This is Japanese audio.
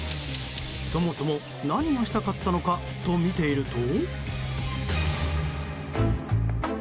そもそも何がしたかったのかと見ていると。